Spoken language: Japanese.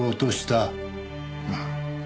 まあ。